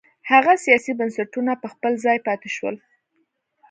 هغه سیاسي بنسټونه په خپل ځای پاتې شول.